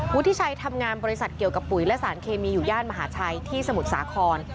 วุฒิชัยทำงานบริษัทเกี่ยวกับปุ๋ยและสารเคมีอยู่ย่านมหาชัยที่สมุทรสาคร